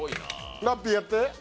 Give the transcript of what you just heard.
ラッピーもやって。